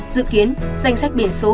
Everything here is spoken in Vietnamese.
dự kiến danh sách biển số